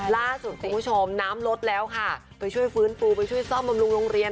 ล่าสุดผู้ชมน้ำลดแล้วไปช่วยฟื้นฟูซ่อมบำรุงโรงเรียน